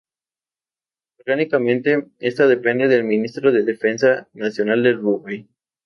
Orgánicamente, esta depende del Ministro de Defensa Nacional del Uruguay.